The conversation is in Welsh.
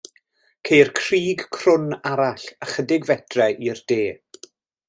Ceir crug crwn arall ychydig fetrau i'r de.